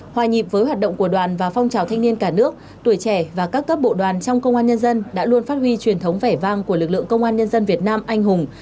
hòa nhịp với hoạt động của đoàn và phong trào thanh niên cả nước tuổi trẻ và các cấp bộ đoàn trong công an nhân dân đã luôn phát huy truyền thống vẻ vang của lực lượng công an nhân dân việt nam anh hùng